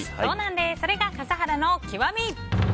それが笠原の極み。